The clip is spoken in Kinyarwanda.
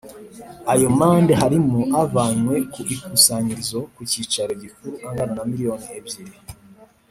Ayo mande harimo avanywe ku ikusanyirizo ku cyicaro gikuru angana na miliyoni ebyiri